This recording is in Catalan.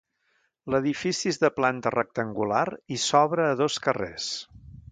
L'edifici és de planta rectangular i s'obre a dos carrers.